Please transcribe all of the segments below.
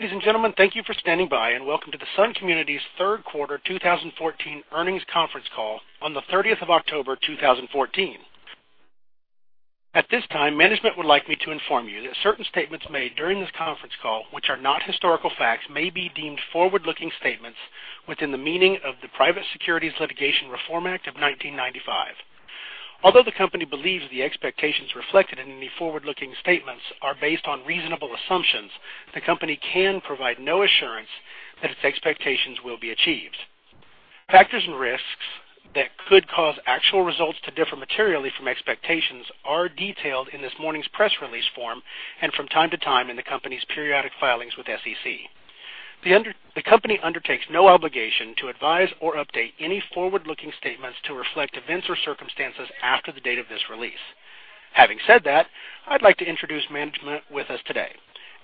Ladies and gentlemen, thank you for standing by, and welcome to the Sun Communities Third Quarter 2014 Earnings Conference Call on the 13th of October, 2014. At this time, management would like me to inform you that certain statements made during this conference call, which are not historical facts, may be deemed forward-looking statements within the meaning of the Private Securities Litigation Reform Act of 1995. Although the company believes the expectations reflected in any forward-looking statements are based on reasonable assumptions, the company can provide no assurance that its expectations will be achieved. Factors and risks that could cause actual results to differ materially from expectations are detailed in this morning's press release form and from time to time in the company's periodic filings with SEC. The company undertakes no obligation to advise or update any forward-looking statements to reflect events or circumstances after the date of this release. Having said that, I'd like to introduce management with us today,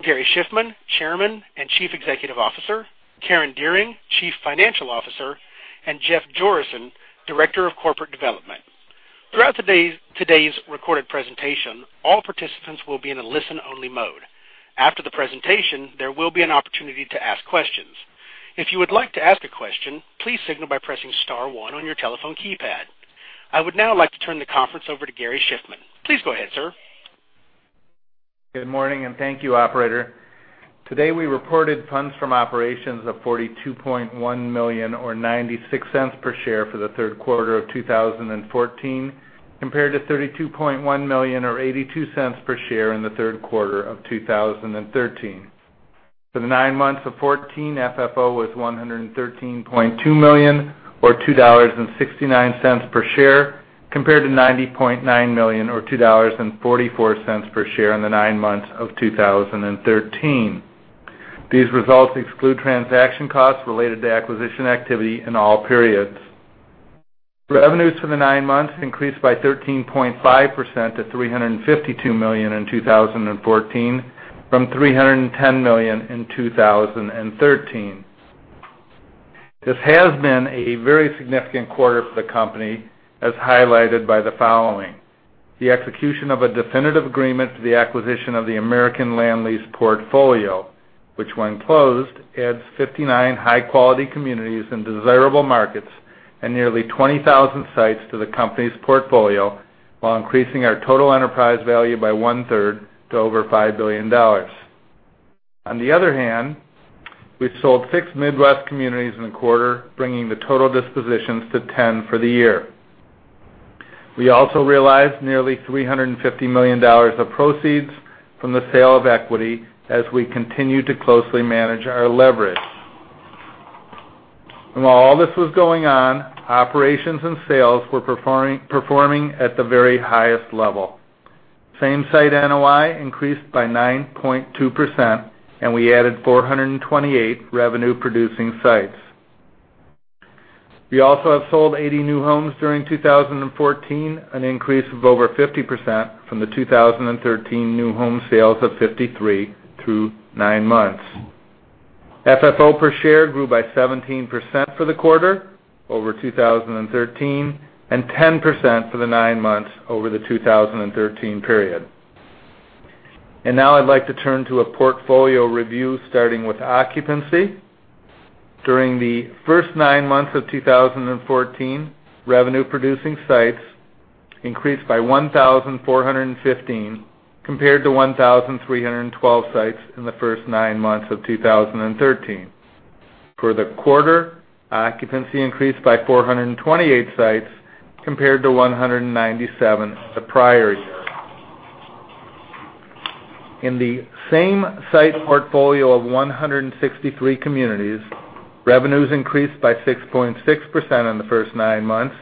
Gary Shiffman, Chairman and Chief Executive Officer, Karen Dearing, Chief Financial Officer, and Jeff Jorissen, Director of Corporate Development. Throughout today's recorded presentation, all participants will be in a listen-only mode. After the presentation, there will be an opportunity to ask questions. If you would like to ask a question, please signal by pressing star one on your telephone keypad. I would now like to turn the conference over to Gary Shiffman. Please go ahead, sir. Good morning, and thank you, operator. Today, we reported funds from operations of $42.1 million, or $0.96 per share for the third quarter of 2014, compared to $32.1 million, or $0.82 per share in the third quarter of 2013. For the nine months of 2014, FFO was $113.2 million, or $2.69 per share, compared to $90.9 million, or $2.44 per share in the nine months of 2013. These results exclude transaction costs related to acquisition activity in all periods. Revenues for the nine months increased by 13.5% to $352 million in 2014, from $310 million in 2013. This has been a very significant quarter for the company, as highlighted by the following: The execution of a definitive agreement to the acquisition of the American Land Lease portfolio, which, when closed, adds 59 high-quality communities in desirable markets and nearly 20,000 sites to the company's portfolio, while increasing our total enterprise value by one-third to over $5 billion. On the other hand, we've sold six Midwest communities in the quarter, bringing the total dispositions to 10 for the year. We also realized nearly $350 million of proceeds from the sale of equity as we continue to closely manage our leverage. And while all this was going on, operations and sales were performing, performing at the very highest level. Same-site NOI increased by 9.2%, and we added 428 revenue-producing sites. We also have sold 80 new homes during 2014, an increase of over 50% from the 2013 new home sales of 53 through 9 months. FFO per share grew by 17% for the quarter over 2013, and 10% for the 9 months over the 2013 period. And now I'd like to turn to a portfolio review, starting with occupancy. During the first 9 months of 2014, revenue-producing sites increased by 1,415, compared to 1,312 sites in the first 9 months of 2013. For the quarter, occupancy increased by 428 sites, compared to 197 the prior year. In the same-site portfolio of 163 communities, revenues increased by 6.6% in the first nine months,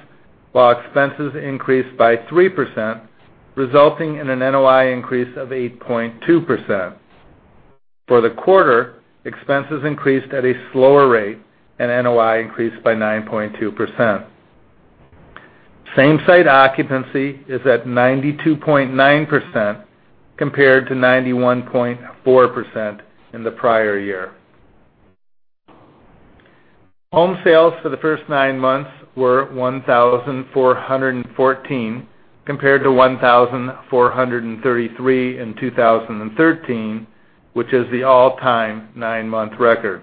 while expenses increased by 3%, resulting in an NOI increase of 8.2%. For the quarter, expenses increased at a slower rate, and NOI increased by 9.2%. Same-site occupancy is at 92.9%, compared to 91.4% in the prior year. Home sales for the first nine months were 1,414, compared to 1,433 in 2013, which is the all-time nine-month record.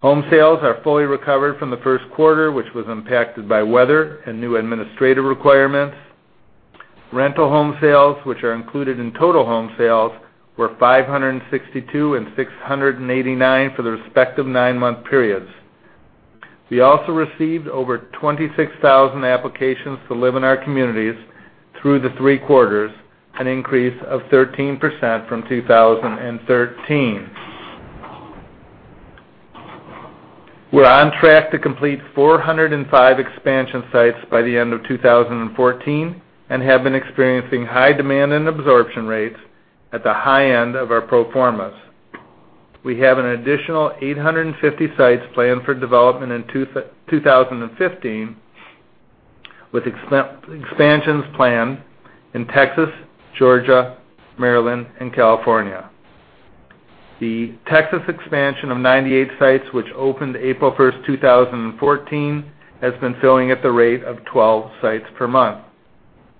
Home sales are fully recovered from the first quarter, which was impacted by weather and new administrative requirements. Rental home sales, which are included in total home sales, were 562 and 689 for the respective nine-month periods. We also received over 26,000 applications to live in our communities through the three quarters, an increase of 13% from 2013. We're on track to complete 405 expansion sites by the end of 2014 and have been experiencing high demand and absorption rates at the high end of our pro formas. We have an additional 850 sites planned for development in 2015, with expansions planned in Texas, Georgia, Maryland, and California. The Texas expansion of 98 sites, which opened April 1, 2014, has been filling at the rate of 12 sites per month.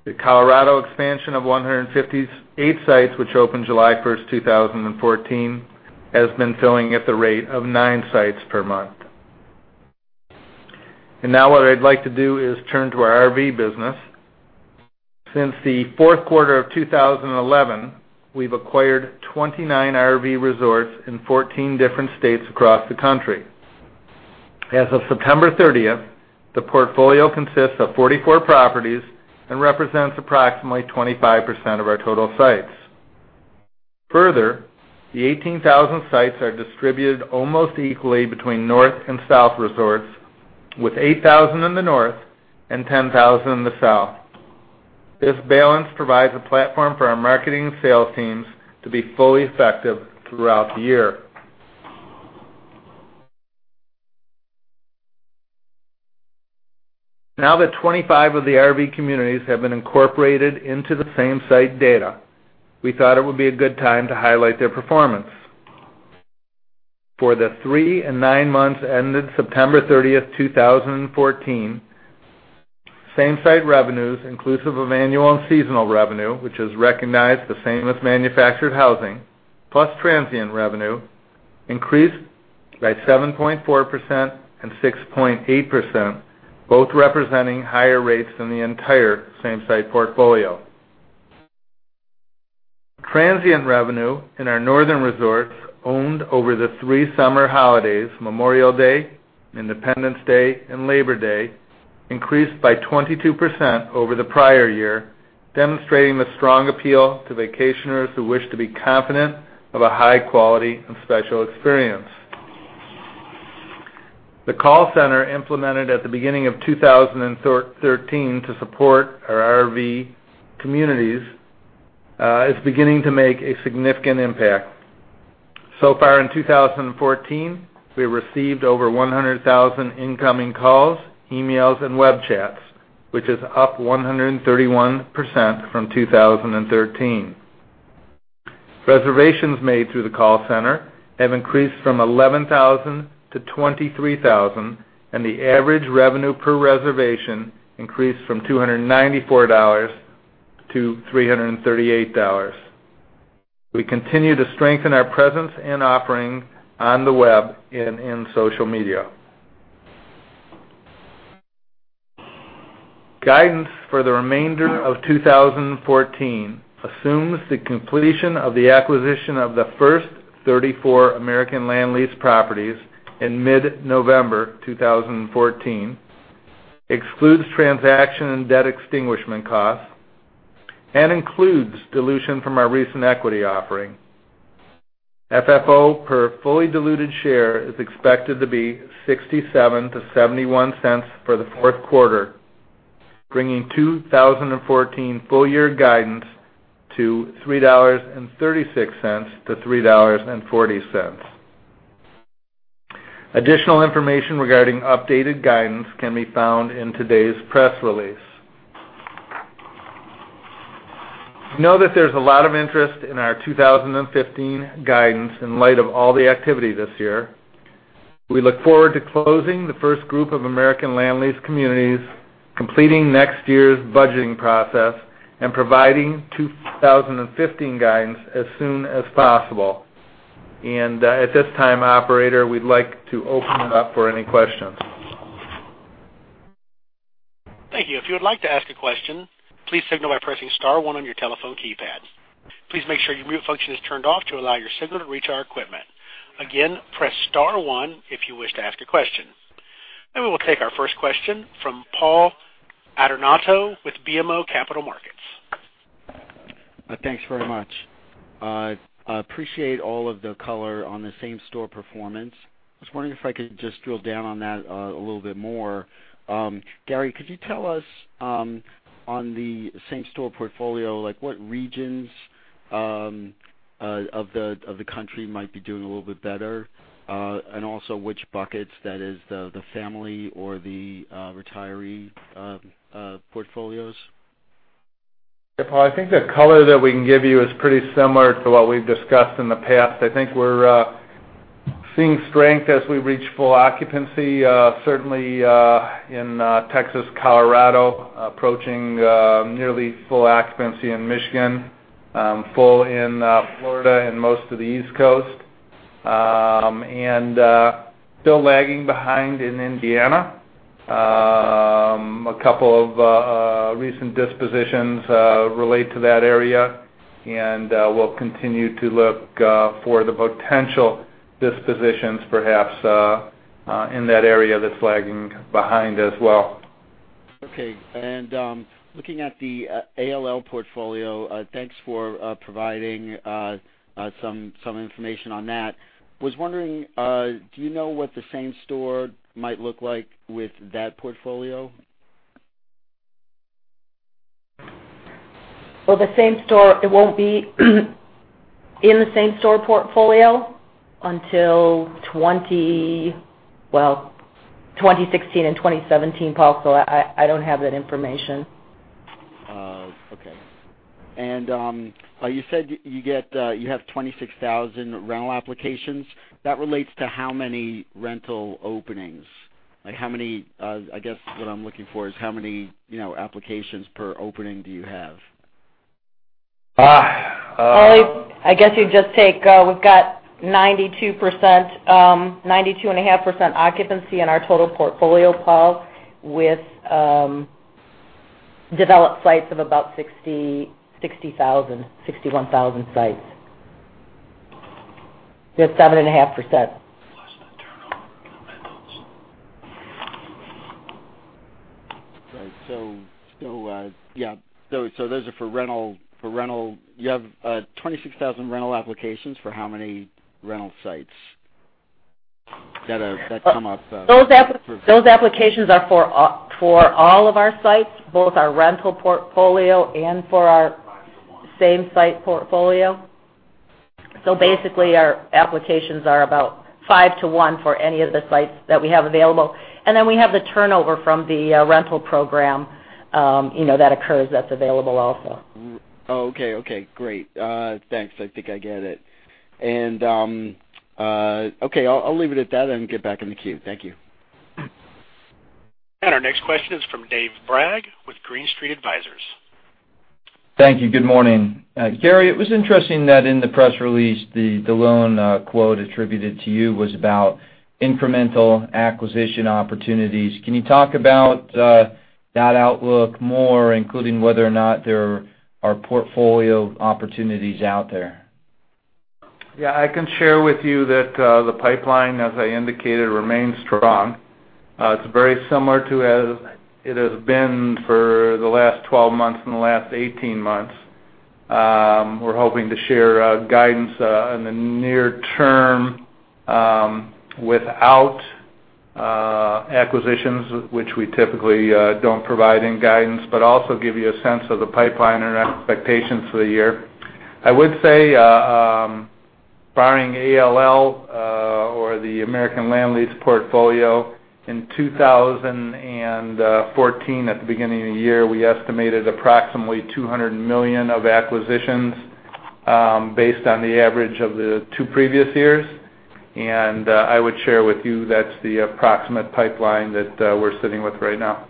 The Colorado expansion of 158 sites, which opened July 1, 2014, has been filling at the rate of 9 sites per month. Now what I'd like to do is turn to our RV business. Since the fourth quarter of 2011, we've acquired 29 RV resorts in 14 different states across the country. As of September 30, the portfolio consists of 44 properties and represents approximately 25% of our total sites. Further, the 18,000 sites are distributed almost equally between North and South resorts, with 8,000 in the North and 10,000 in the South. This balance provides a platform for our marketing and sales teams to be fully effective throughout the year. Now that 25 of the RV communities have been incorporated into the same-site data, we thought it would be a good time to highlight their performance. For the 3 and 9 months ended September 30, 2014, same-site revenues, inclusive of annual and seasonal revenue, which is recognized the same as manufactured housing, plus transient revenue, increased by 7.4% and 6.8%, both representing higher rates than the entire same-site portfolio. Transient revenue in our northern resorts, owned over the three summer holidays, Memorial Day, Independence Day, and Labor Day, increased by 22% over the prior year, demonstrating the strong appeal to vacationers who wish to be confident of a high quality and special experience. The call center, implemented at the beginning of 2013 to support our RV communities, is beginning to make a significant impact. So far in 2014, we received over 100,000 incoming calls, emails, and web chats, which is up 131% from 2013. Reservations made through the call center have increased from 11,000 to 23,000, and the average revenue per reservation increased from $294 to $338. We continue to strengthen our presence and offering on the web and in social media. Guidance for the remainder of 2014 assumes the completion of the acquisition of the first 34 American Land Lease properties in mid-November 2014, excludes transaction and debt extinguishment costs, and includes dilution from our recent equity offering. FFO per fully diluted share is expected to be $0.67-$0.71 for the fourth quarter, bringing 2014 full year guidance to $3.36-$3.40. Additional information regarding updated guidance can be found in today's press release. We know that there's a lot of interest in our 2015 guidance in light of all the activity this year. We look forward to closing the first group of American Land Lease communities, completing next year's budgeting process, and providing 2015 guidance as soon as possible. At this time, operator, we'd like to open it up for any questions. Thank you. If you would like to ask a question, please signal by pressing star one on your telephone keypad. Please make sure your mute function is turned off to allow your signal to reach our equipment. Again, press star one if you wish to ask a question. We will take our first question from Paul Adornato with BMO Capital Markets. Thanks very much. I appreciate all of the color on the same-store performance. I was wondering if I could just drill down on that a little bit more. Gary, could you tell us on the same-store portfolio, like, what regions of the country might be doing a little bit better? And also which buckets, that is the family or the retiree portfolios? Yeah, Paul, I think the color that we can give you is pretty similar to what we've discussed in the past. I think we're seeing strength as we reach full occupancy, certainly in Texas, Colorado, approaching nearly full occupancy in Michigan, full in Florida and most of the East Coast, and still lagging behind in Indiana. A couple of recent dispositions relate to that area, and we'll continue to look for the potential dispositions, perhaps in that area that's lagging behind as well. Okay. Looking at the ALL portfolio, thanks for providing some information on that. Was wondering, do you know what the same store might look like with that portfolio? Well, the same-store, it won't be in the same-store portfolio until 2016 and 2017, Paul, so I don't have that information. Okay. And you said you get, you have 26,000 rental applications. That relates to how many rental openings? Like, how many, I guess, what I'm looking for is how many, you know, applications per opening do you have? Ah, uh- Paul, I guess you just take, we've got 92%, 92.5% occupancy in our total portfolio, Paul, with developed sites of about 60, 60,000, 61,000 sites. We have 7.5%. Right. So, yeah, so those are for rental, for rental. You have 26,000 rental applications for how many rental sites that come up for- Those applications are for all of our sites, both our rental portfolio and for our same site portfolio. So basically, our applications are about 5 to 1 for any of the sites that we have available. And then we have the turnover from the rental program, you know, that occurs, that's available also. Okay. Okay, great. Thanks. I think I get it. And, okay, I'll, I'll leave it at that and get back in the queue. Thank you. Our next question is from Dave Bragg with Green Street Advisors. Thank you. Good morning. Gary, it was interesting that in the press release, the lone quote attributed to you was about incremental acquisition opportunities. Can you talk about that outlook more, including whether or not there are portfolio opportunities out there? Yeah, I can share with you that the pipeline, as I indicated, remains strong. It's very similar to as it has been for the last 12 months and the last 18 months. We're hoping to share guidance in the near term without acquisitions, which we typically don't provide any guidance, but also give you a sense of the pipeline and our expectations for the year. I would say, barring ALL or the American Land Lease portfolio, in 2014, at the beginning of the year, we estimated approximately $200 million of acquisitions, based on the average of the two previous years. And I would share with you that's the approximate pipeline that we're sitting with right now.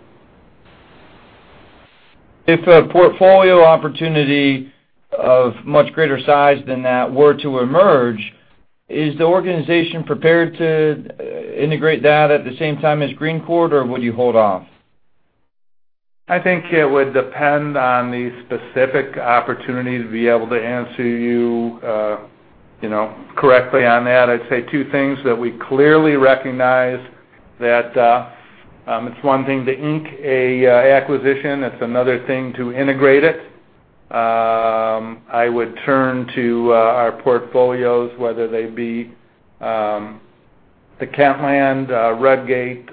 If a portfolio opportunity of much greater size than that were to emerge, is the organization prepared to integrate that at the same time as Green Courte, or would you hold off? I think it would depend on the specific opportunity to be able to answer you, you know, correctly on that. I'd say two things that we clearly recognize that it's one thing to ink a acquisition, it's another thing to integrate it. I would turn to our portfolios, whether they be the Kentland, Rudgate,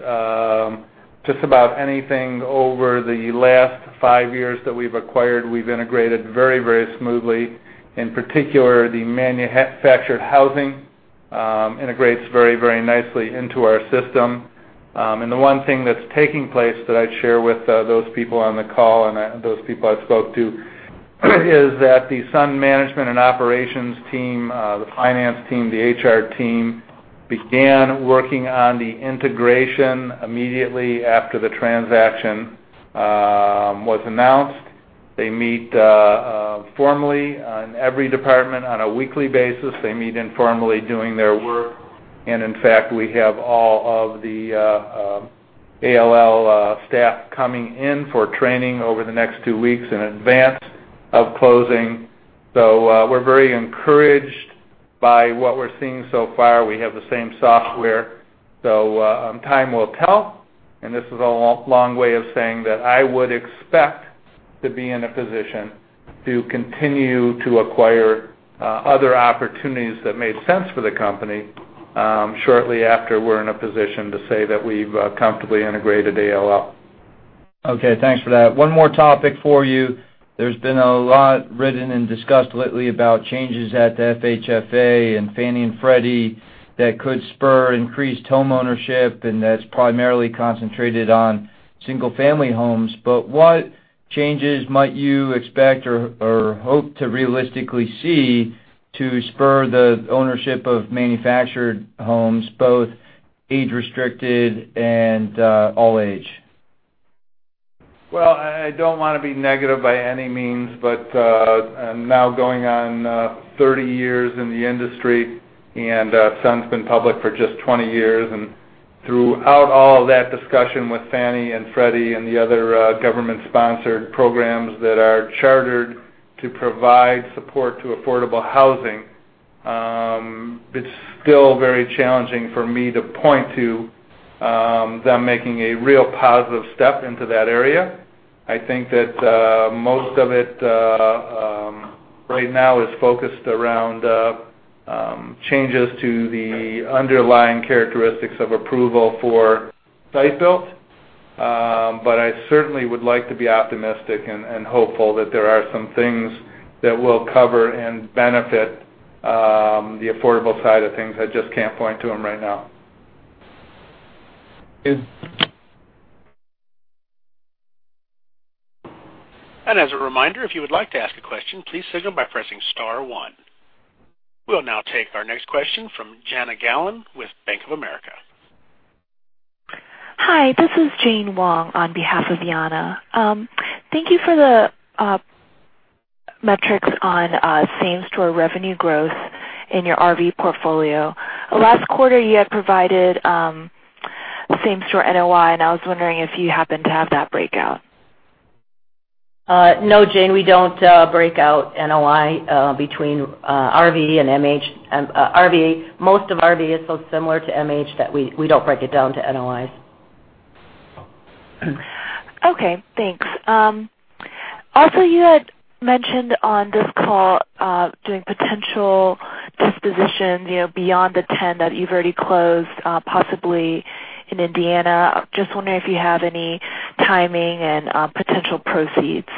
just about anything over the last five years that we've acquired, we've integrated very, very smoothly. In particular, the manufactured housing integrates very, very nicely into our system. And the one thing that's taking place that I'd share with those people on the call and those people I spoke to is that the Sun management and operations team, the finance team, the HR team, began working on the integration immediately after the transaction was announced. They meet formally on every department on a weekly basis. They meet informally doing their work. In fact, we have all of the ALL staff coming in for training over the next two weeks in advance of closing. So, we're very encouraged by what we're seeing so far. We have the same software, so time will tell, and this is a long, long way of saying that I would expect to be in a position to continue to acquire other opportunities that made sense for the company, shortly after we're in a position to say that we've comfortably integrated ALL. Okay, thanks for that. One more topic for you. There's been a lot written and discussed lately about changes at the FHFA and Fannie and Freddie that could spur increased homeownership, and that's primarily concentrated on single-family homes. But what changes might you expect or, or hope to realistically see to spur the ownership of manufactured homes, both age-restricted and all age? Well, I, I don't want to be negative by any means, but I'm now going on 30 years in the industry, and Sun's been public for just 20 years. Throughout all that discussion with Fannie and Freddie and the other government-sponsored programs that are chartered to provide support to affordable housing, it's still very challenging for me to point to them making a real positive step into that area. I think that most of it right now is focused around changes to the underlying characteristics of approval for site built. But I certainly would like to be optimistic and hopeful that there are some things that will cover and benefit the affordable side of things. I just can't point to them right now. And as a reminder, if you would like to ask a question, please signal by pressing star one. We'll now take our next question from Jana Galan with Bank of America. Hi, this is Jane Wong on behalf of Jana. Thank you for the metrics on same-store revenue growth in your RV portfolio. Last quarter, you had provided same-store NOI, and I was wondering if you happen to have that breakout? No, Jane, we don't break out NOI between RV and MH. And, RV—most of RV is so similar to MH that we don't break it down to NOIs. Okay, thanks. Also, you had mentioned on this call, doing potential dispositions, you know, beyond the 10 that you've already closed, possibly in Indiana. Just wondering if you have any timing and, potential proceeds.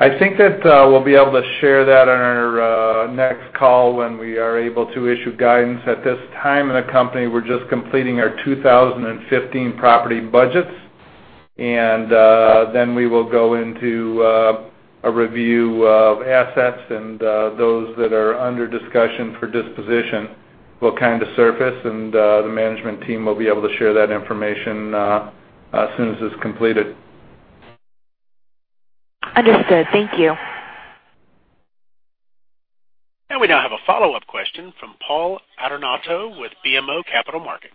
I think that, we'll be able to share that on our, next call, when we are able to issue guidance. At this time in the company, we're just completing our 2015 property budgets, and, then we will go into, a review of assets and, those that are under discussion for disposition will kind of surface, and, the management team will be able to share that information, as soon as it's completed. Understood. Thank you. We now have a follow-up question from Paul Adornato with BMO Capital Markets.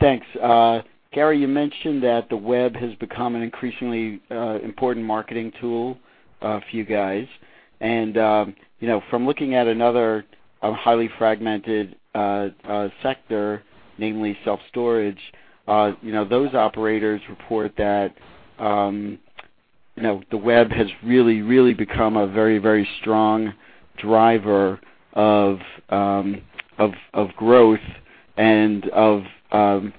Thanks. Gary, you mentioned that the web has become an increasingly important marketing tool for you guys, and you know, from looking at another highly fragmented sector, namely self-storage, you know, those operators report that you know, the web has really, really become a very, very strong driver of growth and of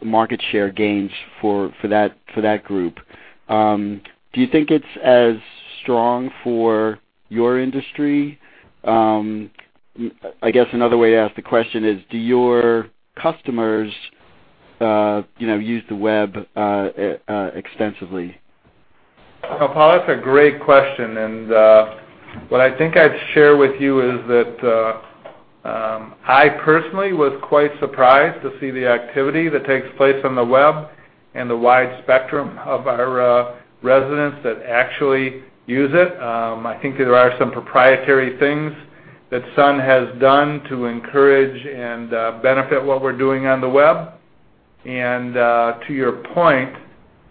market share gains for that group. Do you think it's as strong for your industry? I guess another way to ask the question is, do your customers you know, use the web extensively? Well, Paul, that's a great question, and what I think I'd share with you is that I personally was quite surprised to see the activity that takes place on the web and the wide spectrum of our residents that actually use it. I think there are some proprietary things that Sun has done to encourage and benefit what we're doing on the web. And to your point,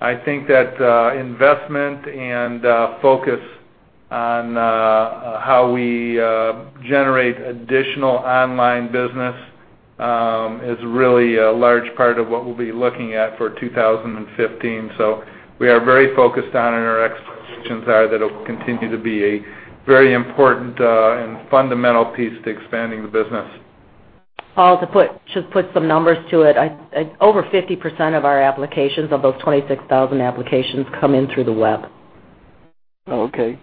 I think that investment and focus on how we generate additional online business is really a large part of what we'll be looking at for 2015. So we are very focused on, and our expectations are that it'll continue to be a very important and fundamental piece to expanding the business. Paul, to put just some numbers to it. Over 50% of our applications, of those 26,000 applications, come in through the web. Oh, okay.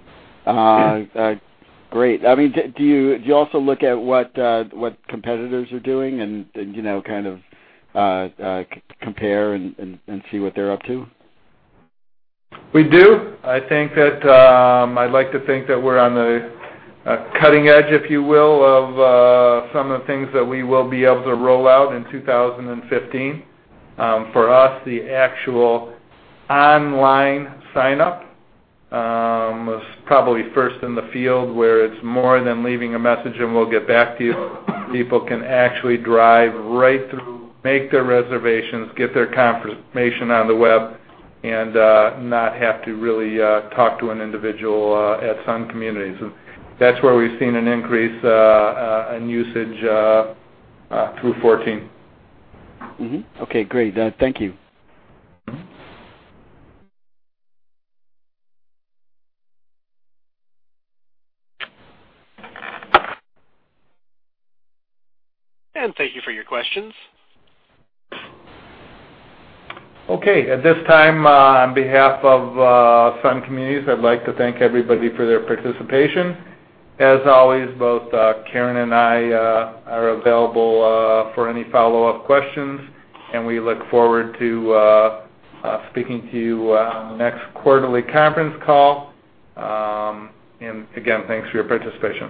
Great. I mean, do you also look at what competitors are doing and, you know, kind of, compare and see what they're up to? We do. I think that, I'd like to think that we're on the cutting edge, if you will, of some of the things that we will be able to roll out in 2015. For us, the actual online sign-up was probably first in the field, where it's more than leaving a message and we'll get back to you. People can actually drive right through, make their reservations, get their confirmation on the web, and not have to really talk to an individual at Sun Communities. That's where we've seen an increase on usage through 2014. Mm-hmm. Okay, great. Thank you. Thank you for your questions. Okay, at this time, on behalf of Sun Communities, I'd like to thank everybody for their participation. As always, both Karen and I are available for any follow-up questions, and we look forward to speaking to you on the next quarterly conference call. And again, thanks for your participation.